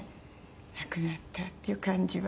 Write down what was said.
亡くなったっていう感じは。